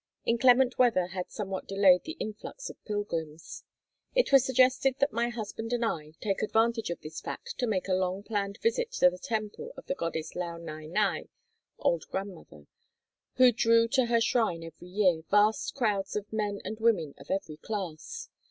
Inclement weather had somewhat delayed the influx of pilgrims. It was suggested that my husband and I take advantage of this fact to make a long planned visit to the temple of the goddess Lao Nai Nai, (Old Grandmother) who drew to her shrine every year vast crowds of men and women of every class.